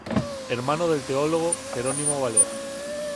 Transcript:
Hermano del teólogo Jerónimo Valera.